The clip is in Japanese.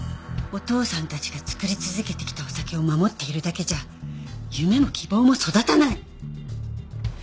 お父さんたちが造り続けてきたお酒を守っているだけじゃ夢も希望も育たない！